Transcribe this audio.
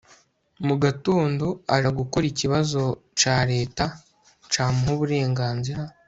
mugatondo aja gukora ikibazo caLeta camuha uburenganzira